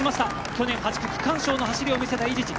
去年８区区間賞の走りを見せた伊地知